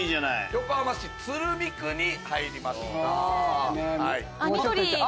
横浜市鶴見区に入りました。